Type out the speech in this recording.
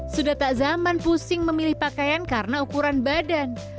sudah tak zaman pusing memilih pakaian karena ukuran badan